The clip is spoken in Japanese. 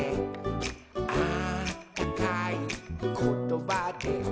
「あったかいことばで」